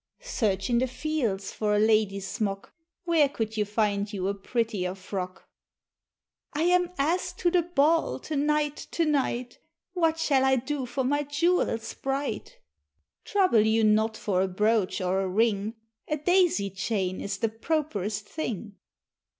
"Search in the fields for a lady's smock; Where could you find you a prettier frock?" "I am asked to the ball to night, to night; What shall I do for my jewels bright?" "Trouble you not for a brooch or a ring, A daisy chain is the properest thing."